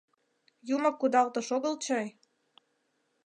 Юмак кудалтыш огыл чай?